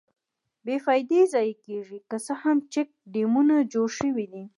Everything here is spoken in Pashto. بې فایدې ضایع کېږي، که څه هم چیک ډیمونه جوړ شویدي.